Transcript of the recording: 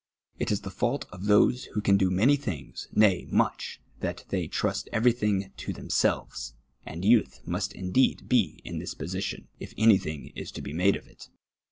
It is the fault of those •who can do many things, nay, much, that they trust ever\ thing to themselves, and youth must indeed be in this position, if an s'thinir is to be made of it.